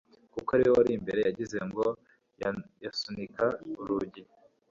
kuko ari we warimbere yagize ngo yasunika urugi